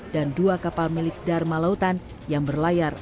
dan dua kapal milik dharma lautan yang berlayar